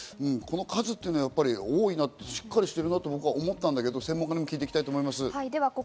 この数というのはやっぱり多いなと、しっかりしてるなと思ったんだけど専門家に聞いていきましょう。